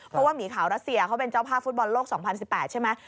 เพราะว่าหมีขาวรัสเซียเขาเป็นเจ้าภาพฟุตบอลโลก๒๐๑๘ใช่ไหม